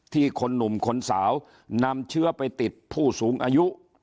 คนหนุ่มคนสาวนำเชื้อไปติดผู้สูงอายุ